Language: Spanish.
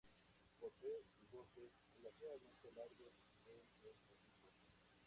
Posee bigotes relativamente largos en el hocico.